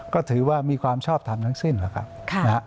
ก็ถือว่ามีความชอบทำทั้งสิ้นนะครับ